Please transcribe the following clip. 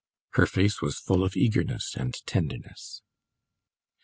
Her face was full of eagerness and tenderness.